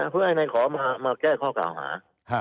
เพื่อให้นายขอมาแก้ข้อกล่าวหา